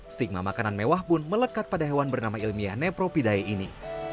stigma makanan mewah pun melekat pada hewan bernama ilmiah nepropidae ini